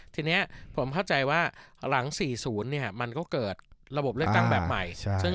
ทีนี้ผมเข้าใจว่าหลัง๔๐มันก็เกิดระบบเลือกตั้งแบบใหม่